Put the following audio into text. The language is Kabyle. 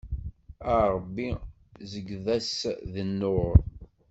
A Ṛebbi zegged-as deg nnur.